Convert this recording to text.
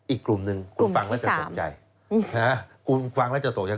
อีกกลุ่มนึงคุณฟังแล้วจะตกใจคุณฟังแล้วจะตกใจคุณฟังแล้วจะตกใจ